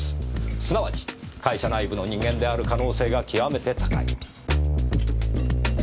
すなわち会社内部の人間である可能性が極めて高い。